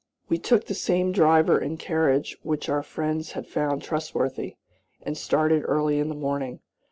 We took the same driver and carriage which our friends had found trustworthy, and started early in the morning.